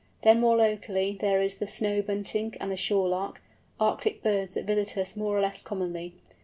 Then, more locally, there is the Snow Bunting and the Shore Lark—Arctic birds that visit us more or less commonly.